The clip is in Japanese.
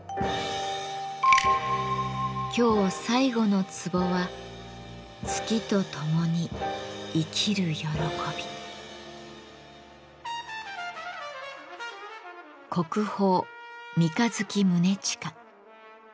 今日最後の壺は国宝「三日月宗近」。